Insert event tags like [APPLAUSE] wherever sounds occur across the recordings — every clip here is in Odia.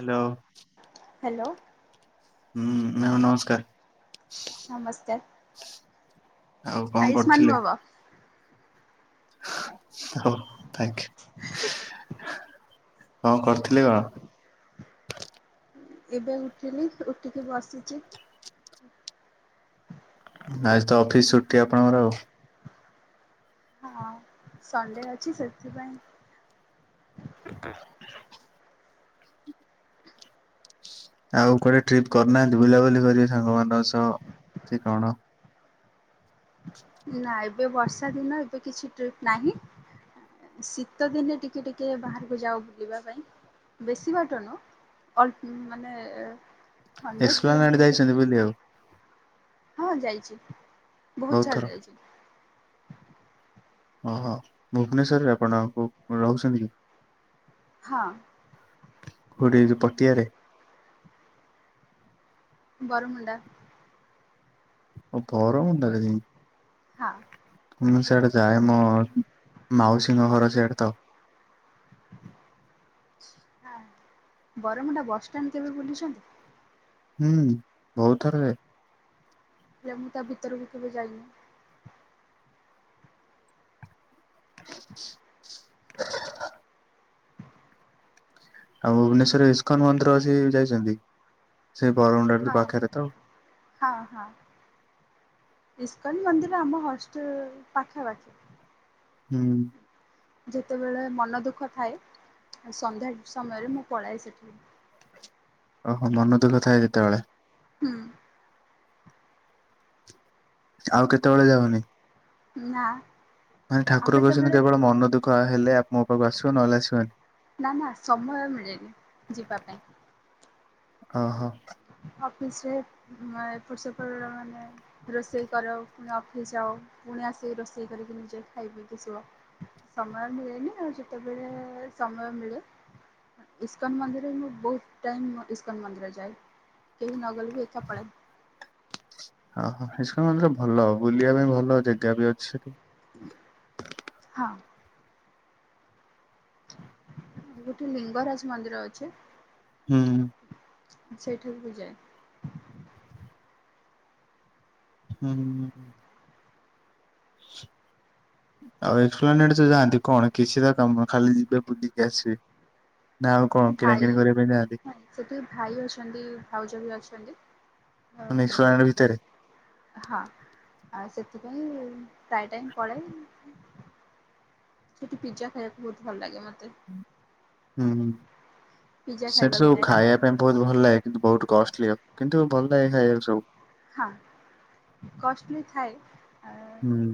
ହାଲୋ ହ୍ୟାଲୋ ହୁଁ ମ୍ୟାମ୍ ନମସ୍କାର। ଆଉ କଁ ଆୟୁଷ୍ମାନ କରୁଥୁଲେ? ଭବ ହଉ ଥ୍ୟାଙ୍କ୍ କଁ କରଥୁଲେ କ? ଉଁ ଏବେ ଉଠିଲି ଉଠିକ ବସିଚି। ଆଜି ତ ଅଫିସ୍ ଛୁଟି ଆପଣଙ୍କର ଆଉ। ହଁ ସଣ୍ଡେ ଅଛି ସେଥିପାଇଁ। ହ ଆଉ କୁଆଡେ ଟ୍ରିପ୍ କରିନାହାନ୍ତି ବୁଲାବୁଲି କରିବେ ସାଙ୍ଗ ମାନଙ୍କ ସହ କି କଣ। ନା ଏବେ ବର୍ଷା ଦିନ ଏବେ କିଛି ଟ୍ରିପ୍ ନାହିଁ। ଶୀତ ଦିନେ ଟିକେ ଟିକେ ବାହାରକୁ ଯାଉ ବୁଲିବା ପାଇଁ ବେଶୀ ବାଟ ନୁଅ। ଅଳ୍ପ ମାନେ ହଣ୍ଡ୍ରେଡ ଏକ୍ସପ୍ଲାନ ଆଡେ କିଲୋମିଟର ଯାଇଛନ୍ତି ଭିତେ। ବୁଲିବାକୁ ହଁ ଯାଇଛି ବୋହୁତ ବହୁତ ଥର ଛାଲ ଯାଇଛି। ଓହୋ ଭୁବନେସ୍ୱରରେ ଆପଣଙ୍କୁ ରହୁଛନ୍ତି କି। ହଁ। କୋଉଠି ଏଇ ଯୋଉ ପଟିଆରେ। ବରମୁଣ୍ଡା। ଓ ବରମୁଣ୍ଡା ରେ। ହଁ। ମୁଁ ସଆଡେ ଯାଏ ମୋ ମାଉସୀଙ୍କ ଘର ସଆଡେ ତ। ବରମୁଣ୍ଡା ବସଷ୍ଟାଣ୍ଡ କେବେ ବୁଲଛନ୍ତି। ହୁଁ ବହୁତଥର ଯାଇଚି। ଆଜ୍ଞା ମୁଁ ତା ଭିତରକୁ କେବେ ଜାଇଁନି। [INAUDIBLE] ଆଉ ଭୁବନେଶ୍ଵରରେ ଇସ୍କନ ମନ୍ଦିର ଅଛି ଯାଇଛନ୍ତି ସେ ବରମୁଣ୍ଡା ଠୁ ହଁ ପାଖରେ ତ। ହଁ ହଁ ଇସ୍କନ ମନ୍ଦିର ଆମ ହଷ୍ଟେଲ ପାଖାପାଖି। ହୁଁ। ଯେତେବେଳେ ମନ ଦୁଃଖ ଥାଏ ସନ୍ଧ୍ୟା ସମୟରେ ମୁଁ ପଳାଏ ସେଠିକି। ଓହୋ ମନ ଦୁଃଖ ଥାଏ ଯେତେବେଳେ। ହୁଁ। ଆଉ କେତେବେଳେ ଯାଉନି। ନା। ମାନେ ଆଉ ଠାକୁର କହୁଛନ୍ତି କେତେବେଳେ କେବଳ ମନ ଦୁଃଖ ହେଲେ ଆପଣ ମୋ ପାଖକୁ ଆସିବ ନହେଲେ ଆସିବନି। ନା ନା ସମୟ ମିଳେନି ଯିବା ପାଇଁ। ଅ ହ। ଅଫିସ ରେ [UNINTELLIGIBLE] ରୋଷେଇ କର ଫୁଣି ଅଫିସ ଯଅ ପୁଣି ଆସିକି ରୋଷେଇ କରିକି ନିଜେ ଖାଇ ପଇକି ଶୁଅ। ସମୟ ମିଳେନି ଆଉ ଯେତେବେଳେ ସମୟ ମିଳେ। ଇସ୍କନ୍ ମନ୍ଦିର ମୁଁ ବୋହୁତ ଟାଇମ୍ ମୁଁ ଇସ୍କନ୍ ମନ୍ଦିର ଯାଏ କେହି ନଗଲେ ବି ଏକା ପଳାଏ। ଓ ହଁ ଇସ୍କନ ମନ୍ଦିର ଭଲ ବୁଲିବା ପାଇଁ ଭଲ ଜାଗା ବି ଅଛି। ହଁ। ଗୋଟେ ଲିଙ୍ଗରାଜ ମନ୍ଦିର ଅଛି। ହୁଁ। ସେଇଠାକୁ ବି ଯାଏ। [INAUDIBLE] ହ ଆଉ ଏକ୍ସପ୍ଲାନେଟ ଜ ଯାଆନ୍ତି କଣ କିଛି ତ କାମ ଖାଲି ଯିବେ ବୁଲିକି ଆସିବେ। ନା ଆଉ କଣ ଭାଇ କିଣାକିଣି କରିବା ପାଇଁ ଯାଆନ୍ତି ସେଠି ଭାଇ ଅଛନ୍ତି ଭାଉଜ ବି ଅଛନ୍ତି। ମାନେ ଏକ୍ସପ୍ଲାନେଟ୍ ଭିତରେ। ହଁ ଆ ସେଥିପାଇଁ ପ୍ରାୟ ଟାଇମ୍ ପଳାଇ। ପିଜା ଖାଇବାକୁ ବୋହୁତ ଭଲ ଲାଗେ ମତେ। ହୁଁ ପିଜା ସେଠି ଖାଇବାକୁ ସବୁ ଯାଏ ଖାଇବା ପାଇଁ ବୋହୁତ ଭଲ ଲାଗେ କିନ୍ତୁ ବହୁତ କଷ୍ଟଲି ହବ କିନ୍ତୁ ଭଲ ଲାଗେ ଖାଇବାକୁ ସବୁ। ହଁ କଷ୍ଟଲି ଥାଏ ଆ ହୁଁ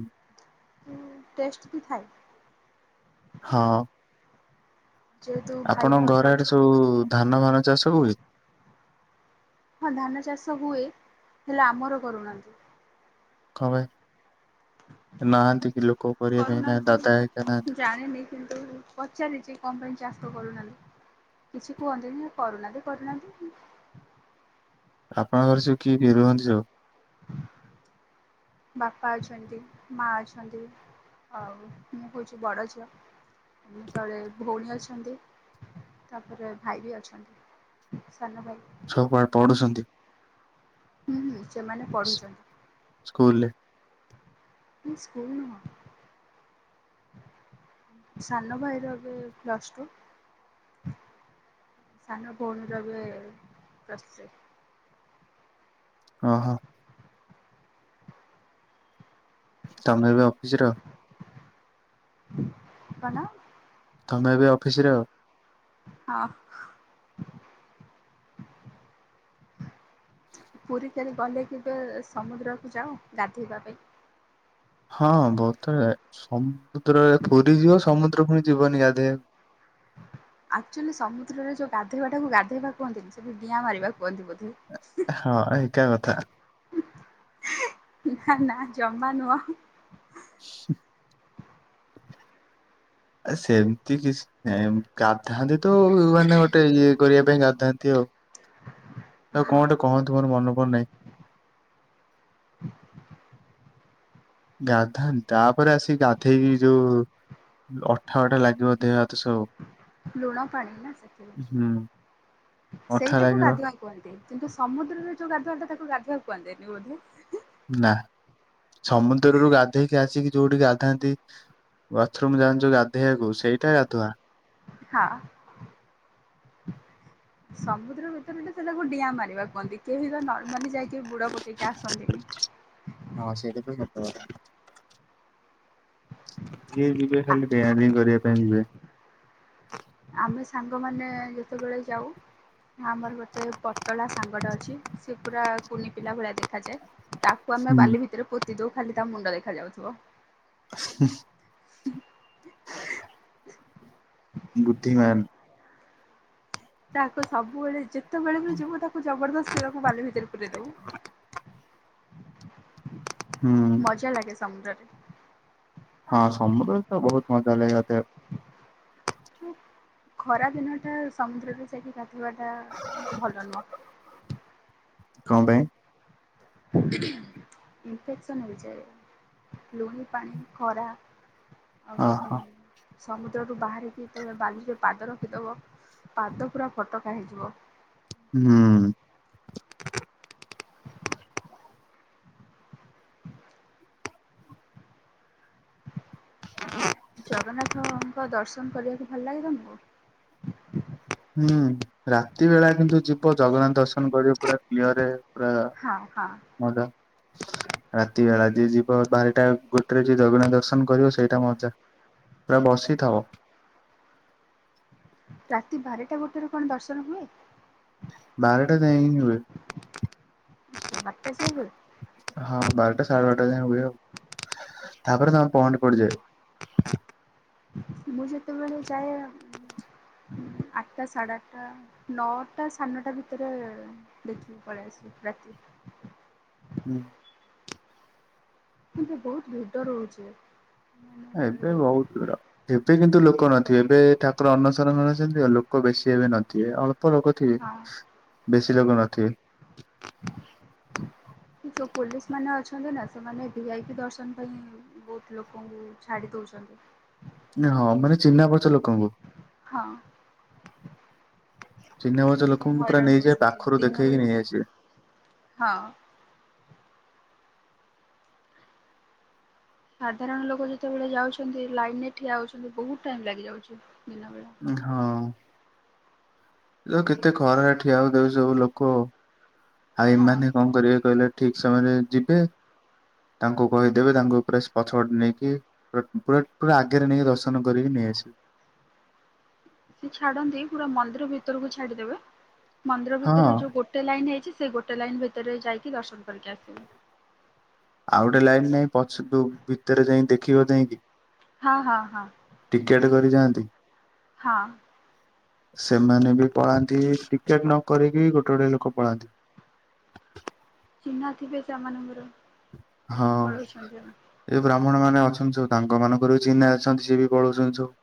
ଟେଷ୍ଟ ବି ଥାଏ। ହଁ। ଯେହେତୁ ଭାଇ ଆପଣଙ୍କ ଭାଉଜ ଘର ଆଡେ ଅଛନ୍ତି ସବୁ ଧାନ ଫାନ ଚାଷ ହୁଏ। ହଁ ଧାନ ଚାଷ ହୁଏ, ହେଲେ ଆମର କରୁନାହାନ୍ତି। କଁ ପାଇଁ ନାହାନ୍ତି କି ଲୋକ କରିବା ପାଇଁ ନାହାନ୍ତି ନା ଦାଦା ହେରିକା କରୁନାହାନ୍ତି ନାହାନ୍ତି। ଜାଣିନି କିନ୍ତୁ ପଚାରିଛି କଁ ପାଇଁ ଚାଷ କରୁନାହାନ୍ତି। କିଛି କୁହନ୍ତିନି କରୁନାହାନ୍ତି କରୁନାହାନ୍ତି। ଆପଣଙ୍କ ଘରେ ସବୁ କିଏ କିଏ ରୁହନ୍ତି ସବୁ? ବାପା ଅଛନ୍ତି ମା ଅଛନ୍ତି। ହଉ ମୁଁ ହୋଉଛି ବଡ଼ ଝିଅ। ମୋ ତଳେ ଭଉଣୀ ଅଛନ୍ତି ତାପରେ ଭାଇ ବି ଅଛନ୍ତି। ସାନ ଭାଇ। ସବୁ ପାଠ ପଢ଼ୁଛନ୍ତି? ହୁଁ ହୁଁ ସେମାନେ ସ୍କୁଲରେ ପଢ଼ୁଛନ୍ତି କିନ୍ତୁ ସ୍କୁଲ ନୁହଁ। ସାନ ଭାଇର ଏବେ ପ୍ଲସ୍ ଟୁ। ସାନ ଭଉଣୀର ଏବେ ପ୍ଲସ୍ ଥ୍ରୀ। ହଁ ହଁ। ତମେ ବି ଆଉ। କଣ? ତମେ ଏବେ ଅଫିସି ରେ ଆଉ ହ। ପୁରୀ କେବେ ଗଲେ କେବେ ସମୁଦ୍ରକୁ ଯାଅ ଗାଧେଇବା ପାଇଁ? ହଁ ବୋହୁତ୍ ଥର ସମୁଦ୍ରରେ ପୁରି ଯିବ ସମୁଦ୍ରକୁ ପୁଣି ଯିବନି ଗାଧେଇବାକୁ। ଆକ୍ଚୁଆଲି ସମୁଦ୍ରରେ ଯୋଉ ଗାଧେଇବାଟାକୁ ଗାଧେଇବା କୁହନ୍ତିନି ସେଠି ଡିଆଁ ମାରିବା କୁହନ୍ତି ବୋଧେ। ହଁ ଏଇଟା କଥା। ନା ନା ଜମା ନୁଅଁ ହଁ। ସେ ଏ ସେମିତି କିଛି ଏମ୍ ଗାଧାନ୍ତି ତ ମାନେ ଗୋଟେ ଇଏ କରିବା ପାଇଁ ଗାଧାନ୍ତି ଆଉ। ଆଉ କଣ ଟେ ହଁ କୁଅନ୍ତୁ ମୋର ମନେ ପଡ଼ୁ ନାଇଁ। ଗାଧାନ୍ତି ତାପରେ ଆସିିକି ଗାଧେଇକି ଯୋଉ ଅଠା ଅଠା ଲାଗିବ ଦେହ ହାତ ସବୁ। ଲୁଣ ପାଣି ନା ସେଠି ହୁଁ ଅଠା ସେଇଟାକୁ ଲାଗିବ ଗାଧୁଆ କୁହନ୍ତି କିନ୍ତୁ ସମୁଦ୍ରରେ ଯୋଉ ଗାଧୁଆଟା ତାକୁ ଗାଧୁଆ କୁହନ୍ତିିନି ବୋଧେ। ନା ସମୁଦ୍ରରୁ ଗାଧେଇକି ଆସିକି ଯୋଉଠି ଗାଧାନ୍ତି ୱାଥରୁମ ଯାଆନ୍ତି ଯୋଉ ଗାଧେଇବାକୁ ସେଇଟା ଗାଧୁଆ। ହଁ। ସମୁଦ୍ର ଭିତରେ ତ ସେଇଟାକୁ ଡିଆଁ ମାରିବା କୁହନ୍ତି କେହି ତ ନର୍ମାଲି ଯାଇକି ବୁଡ଼ ପକେଇକି ଆସନ୍ତିନି। ହଁ ସେଇଟା ତ ସତ କଥା। ଯିଏ ଯିବେ ଆ ଖାଲି ଡିଆଁ ଡେଇଁ କରିବା ପାଇଁ ଯିବେ। ଆମେ ସାଙ୍ଗମାନେ ଯେତେବେଳେ ଯାଉ ଆମର ଗୋଟେ ପତଳା ସାଙ୍ଗଟା ଅଛି ସେ ପୁରା କୁନି ପିଲା ଭଳିଆ ଦେଖାଯାଏ। ତାକୁ ଆମେ ହୁଁ। ବାଲି ଭିତରେ ପୋତି ଦୋଉ ଖାଲି ତା ମୁଣ୍ଡ ଦେଖା ଯାଉଥିବ। ହୁଁ। ହ ବୁଦ୍ଧିମାନ୍। ତାକୁ ସବୁବେଳେ ଯେତେବେଳେ ବି ଯିବୁ ତାକୁ ଜବରଦସ୍ତି ତାକୁ ବାଲି ଭିତରେ ପୁରେଇ ଦବୁ। [INAUDIBLE] ହୁଁ ମଜା ଲାଗେ ସମୁଦ୍ରରେ। ହଁ ସମୁଦ୍ରରେ ତ ବୋହୁତ୍ ମଜା ଲାଗେ ଗାଧେଇବାକୁ। ହୁଁ ଖରା ଦିନଟା ସମୁଦ୍ରରେ ଯାଇକି ଗାଧେଇବାଟା ଭଲ ନୁହଁ। କଁ ପାଇଁ? ଇନଫେକ୍ସନ ହେଇଯାଏ ଲୁଣି ପାଣି ଖରା। ଆଉ ଓହୋ ହୁଁ। ସମୁଦ୍ରରୁୁ ବାହାରିକି ଯେତେବେଳେ ବାଲିରେ ପାଦ ରଖିଦବ। ପାଦ ପୁରା ଫଟକା ହେଇଯିବ। ହୁଁ। ହୁଁ। ଜଗନ୍ନାଥଙ୍କ ଦର୍ଶନ କରିବାକୁ ଭଲ ଲାଗେ ତମକୁ? ହୁଁ ରାତି ବେଳା କିନ୍ତୁ ଯିବ ଜଗନ୍ନାଥ ଦର୍ଶନ କରିବ ପୁରା ପିଅରେ। ହଁ ହଁ। ମଜା। ରାତି ବେଳା ଯିଏ ଯିବ ବାରଟା ଗୋଟେରେ ଯିଏ ଜଗନ୍ନାଥ ଦର୍ଶନ କରିବ ସେଇଟା ମଜା। ପୁରା ବସିଥାଅ। ରାତି ବାରଟା ଗୋଟେରେ କଣ ଦର୍ଶନ ହୁଏ। ବାରଟା ଯାଏଁ ହିଁ ହୁଏ। ଆଛା ବାରଟା ସେ ହୁଏ। ହଁ ବାରଟା ସାଢେ ବାରଟା ଯାଏ ହୁଏ ଆଉ। ତାପରେ ତାଇଜ ଘ ଙର ପହଣ୍ଡି ପଡିଯାଏ। ମୁଁ ଯେତେବେଳେ ଯାଏ। ଆଠଟା ସାଢ଼େ ଆଠଟା। ନଅଟା ସାଢ଼େ ନଟା ଭିତରେ ଦେଖିକି ପଳେଇ ଆସିବି ରାତି। ହୁଁ। କିନ୍ତୁ ବହୁତ ଭିଡ ରହୁଚି ହୁଁ। ଏବେ ବହୁତ ଦୂର। ଏବେ କିନ୍ତୁ ଲୋକ ନଥିବେ ଏବେ ଠାକୁର ଅନ୍ନସରଣରେ ଅଛନ୍ତି। ଲୋକ ବେଶୀ ଏବେ ନଥିବେ। ଅଳ୍ପ ଲୋକ ଠି ହଁ ବେଶୀ ଲୋକ ନଥିବେ? ଯୋଉ ପୋଲିସ ମାନେ ଅଛନ୍ତି ନା ସେମାନେ ଭିଆଇପି ଦର୍ଶନ ପାଇଁ। ବହୁତ ଲୋକଙ୍କୁ ଛାଡି ଦଉଚନ୍ତି। ହଁ ମାନେ ଚିହ୍ନା ପଚିଚୟ ଲୋକଙ୍କୁ। ହଁ। ଚିହ୍ନା ପରିଚୟ ସେଥିପାଇଁ ଲୋକଙ୍କୁ ପୁରା ହଇରାଣ ନେଇଯିବେ ହଉଛନ୍ତି ପାଖରୁ ଦେଖେଇକି ଦିନବେଳେ ନେଇ ଆସିବେ ହଁ। ସାଧାରଣ ଲୋକ ଯେତେବେଳେ ଯାଉଛନ୍ତି ଲାଇନରେ ଠିଆ ହେଉଛନ୍ତି। ବହୁତ ଟାଇମ୍ ଲାଗିଯାଉଚି ଦିନବେଳା। ଢ ଯେ କେତେ ଖରାରେ ଠିଆହୋଉ ଯୋଉ ସବୁ ଲୋକ। ହଁ ଆାଇମାନେ କଣ କରିବେ କହିଲେ? ଠିକ ସମୟରେ ଯିବେ। ତାଙ୍କୁ କହିଦେବେ ତାଙ୍କୁ ପେସ ପଛ ପଟେ ନେଇକି ତତେ ପୁରା ପୁରା ଆଗରେ ନେଇକି ଦର୍ଶନ କରିକି ନେଇଆସିବି। ସେ ଛାଡନ୍ତି ପୁରା ମନ୍ଦିର ଭିତରକୁ ଛାଡିଦେବେ। ମନ୍ଦିର ହଁ ଭିତରେ ଯୋଉ ଗୋ ଗୋଟେ ଲାଇନ୍ ହେଇଛି। ସେ ଗୋଟେ ଲାଇନ ଭିତରେ ଯାଇକି ଦର୍ଶନ କରିକି ଆସିବେ? ଆଉ ଗୋଟେ ଲାଇନ ନାଇଁ ପଛକୁ ଭିତରେ ଯାଇକି ଦେଖିବ ଯାଇକି। ହଁ ହଁ ହଁ। ଟିକେଟ କରି ଯାଆନ୍ତି। ହଁ। ସେମାନେ ବି ପଳାନ୍ତି। ଟିକେଟ ନ କରିକି ଗୋଟେ ଗୋଟେ ଲୋକ ପଳାନ୍ତି। ଚିହ୍ନା ଥିବେ ସେମାନଙ୍କର। ହଁ। ପଳଉଛନ୍ତି ଆମେ ଏ ବ୍ରାହ୍ମଣ ମାନେ ଅଛନ୍ତିସବୁ। ତାଙ୍କ ମାନଙ୍କର ବି ଚିହ୍ନା ଅଛନ୍ତି। ସିଏ ବି ପଳଉଛନ୍ତି ସବୁ।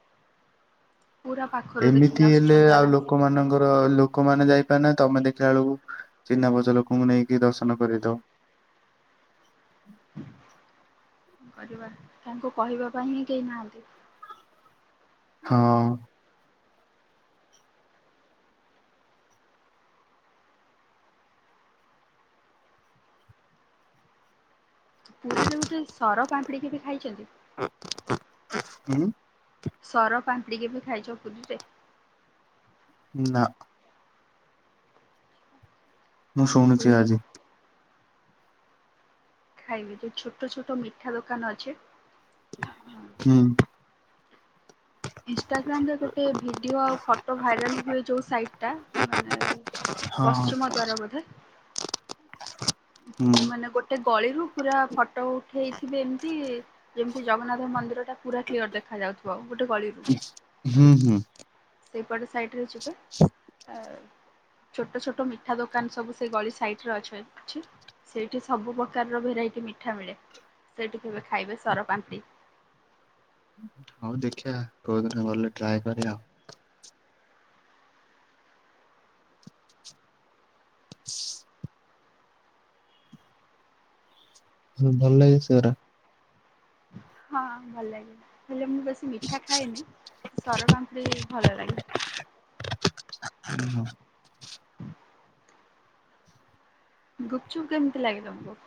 ପୁରା ପାଖରୁ ଦେଖିକି ଆସୁଛନ୍ତି ଆରାମସେ। ଲୋକ ମାନଙ୍କର ଲୋକମାନେ ଯାଇପାରି ନାହାନ୍ତି। ତମେ ଦେଖିଲା ବେଳକୁ ଚିହ୍ନା ପରିଚୟ ଲୋକଙ୍କୁ ନେଇକି ଦର୍ଶନ କରେଇ ଦଉ। କଣ କରିବା ତାଙ୍କୁ କହିବା ପାଇଁ ହିଁ କେହି ନାହାନ୍ତି। ହଁ। ପୁରୀରେ ଗୋଟେ ସର ପାମ୍ପଡିକ ବି ଖାଇଛନ୍ତି ଉ ସର ପାମ୍ପଡିକେ ବି ଖାଇଛ ପୁରୀରେ ନା ମୁଁ ଶୁଣୁଛି ପୁରୀରେ ଆଜି ଖାଇବେ ଯୋଉ ଛୋଟ ଛୋଟ ମିଠା ଦୋକାନ ଅଛି ହୁଁ ଇନଷ୍ଟାଗ୍ରାମ ରେ ଗୋଟେ ଭିଡିଓ ଆଉ ଫଟୋ ଭାଇରାଲ ହୁଏ ଯୋଉ ସାଇଟ୍ ଟା ମାନେ ହଁ ହଁ ପଶ୍ଚୁମା ଦ୍ଵାରା ବୋଧେ ହୁଁ ମାନେ ଗୋଟେ ଗଳିରୁ ପୁରା ଫଟୋ ଉଠେଇଥିବେ ଏମିତି ଯେମିତି ଜଗନ୍ନାଥ ମନ୍ଦିର ଟା ପୁରା କ୍ଲିଅର ଦେଖା ଯାଉଥିବ ଗୋଟେ ଗଳିରୁ ହୁଁ ହୁଁ। ସେଇପଟେ ସାଇଟ୍ ରେ ଯି [UNINTELLIGIBLE] ଛୋଟ ଛୋଟ ମିଠା ଦୋକାନ ସବୁ ସେ ଗଳି ସାଇଟ ରେ ଅଛେ। ଛି ସେଇଠି ସବୁ ପକାରର ଭେରାଇଟି ମିଠା ମିଳେ। ସେଇଠି କେବେ ଖାଇବେ ସର ପାନ୍ତି। ହଉ ଦେଖିଆ କୋଉଦିନ ଗଲେ ଟ୍ରାଏ କରିବା ଆଉ। [INAUDIBLE] ସୁନ୍ଦର ଲାଗେ ସେ ରା। ହଁ ଭଲ ଲାଗେ। ହେଲେ ମୁଁ ବେଶୀ ମିଠା ଖାଏନି। ସର ପାମ୍ପଡ଼ି ଭଲ ଲାଗେ। ଓ ହୋ। ଗୁପଚୁପ୍ କେମୀତି ଲାଗେ ତମକୁ।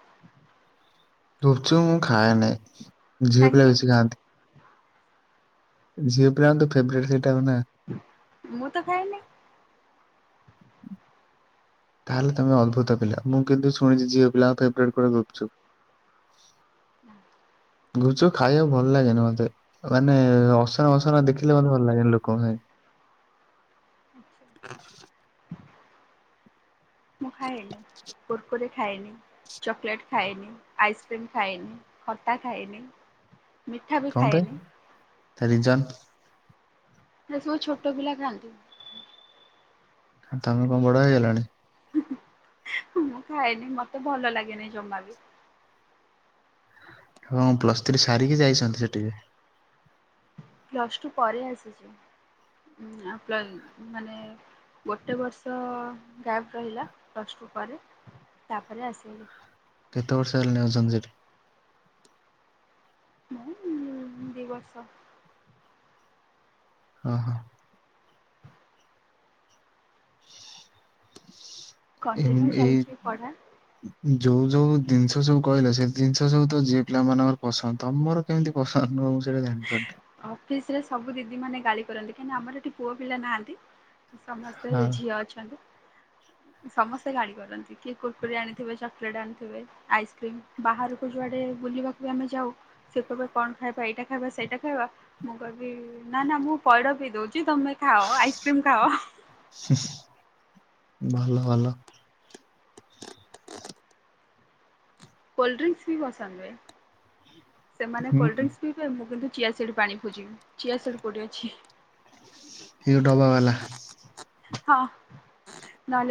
ଧୁପଚୁପ ମୁଁ ଖାଏନି। ଝିଅ ପିଲା କାହିଁକି? ବେଶୀ ଖାଆନ୍ତି। ଝିଅ ପିଲାଙ୍କର ଫେଭରଟ ସେଇଟା ହବ ନା? ମୁଁ ତ ଖାଇନି। ତାହେଲେ ତମେ ଅଦ୍ଭୁତ ପିଲା ମୁଁ କିନ୍ତୁ ଶୁଣିଛି ଝିଅ ପିଲାଙ୍କ ଫେବ୍ରେଟ କୁଆଡେ ଗୁପ୍ ଚୁପ୍। [INAUDIBLE] ଗୁଚୁ ଖାଇବାକୁ ଭଲ ଲାଗେନି ମୋତେ। ମାନେ ଅସନା ମସନା ଦେଖିଲେ ମତେ ଭଲ ଲାଗେନି ଲୋକଙ୍କୁ ସାଇ। [INAUDIBLE] ମୁଁ ଖାଏନି କୁର୍ କୁରି। ଖାଏନି ଚକୋଲେଟ୍ ଖାଏନି ଆଇସ୍କ୍ରିମ ଖାଏନି ଖଟା ଖାଏନି। ମିଠା ବି କଣ ପାଇଁ ଖାଏନି। ତା ରିଜନ୍। ସେ ସବୁ ଛୋଟ ପିଲା ଖାଆନ୍ତି। ତମେ କଣ ବଡ ହେଇଗଲଣି? ହୁ ହୁ ମୁଁ ଖାଇନି ମତେ ଭଲ ଲାଗେନି ଜମା ବି। ହଁ ପ୍ଲସ୍ ଥ୍ରୀ ସାରିକି ଯାଇଛନ୍ତି ସେଠିକି। ପ୍ଲସ ଟୁ ପରେ ଆସିଛି ଉ ଆଉ ପ୍ଲ ମାନେ ଗୋଟେ ବର୍ଷ ଗ୍ୟାପ ରହିଲା ପ୍ଲସ୍ ଟୁ ପରେ ତାପରେ ଆସିଲି କେତେ ବର୍ଷ ହେଲାଣି ଆଉଛନ୍ତି ସେଠିକି ମୁଁ ଦୁଇ ବର୍ଷ ଓ ହୋ [INAUDIBLE] ଏମ କଣ୍ଟିନ୍ୟୁ ଏଇ ଚାଲିଛି ପଢ଼ା ଯୋଉ ଯୋଉ ଜିନିଷ ସବୁ କହିଲା ସେ ଜିନିଷ ସବୁ ତ ଯିଏ ପିଲା ମାନଙ୍କର ପସନ୍ଦ ତମର କେମିତି ପସ ନୁହ ମୁଁ ସେଟା ଜାଣିପାରୁନି ଅଫିସ ରେ ସବୁ ଦିଦି ମାନେ ଗାଳି କରନ୍ତି କାହିଁକିନା ଆମର ଏଠି ପୁଅ ପିଲା ନାହାନ୍ତି ସମସ୍ତେ ହଁ ଝିଅ ଅଛନ୍ତି ସମସ୍ତେ ଗାଳି କରନ୍ତି କିଏ କୁର୍ କୁରି ଆଣିଥିବେ, ଚକୋଲେଟ୍ ଆଣିଥିବେ। ଆଇସ୍କ୍ରିମ ବାହାରକୁ ଯୁଆଡେ ବୁଲିବାକୁ ଆମେ ଯାଉ ସେତେବେଳେ କଣ ଖାଇବ ଏଇଟା ଖାଇବ ସେଇଟା ଖାଇବ ମୁଁ କହିବି ନା ନା ମୁଁ ପଇଡ ପିଇ ଦଉଛି ତମେ ଖାଅ ଆଇସ୍କ୍ରିମ ଖାଅ। ହୁଁ ଭଲ ଭଲ। କୋଲ୍ଡ୍ରିଙ୍କସ୍ ବି ପସନ୍ଦ ନୁହେ। ସେମାନେ ହୁଁ କୋଲ୍ଡ୍ରିଙ୍କସ୍ ବି [UNINTELLIGIBLE] ମୁଁ କିନ୍ତୁ ଚିଆଁ ସିଡ୍ ପାଣି ଖୋଜିବି। ଚିଆଁ ସିଡ୍ କଉଠି ଅଛି। ଏ ଡବାବାଲା। ହଁ। ନହେଲେ